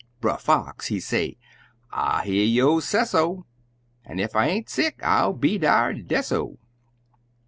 Brer Fox, he say, "I hear yo' sesso, An' ef I ain't sick I'll be dar desso!"